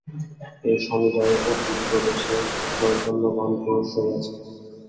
এই সমুদয়ের অতীত প্রদেশে চৈতন্যঘন পুরুষ রহিয়াছেন।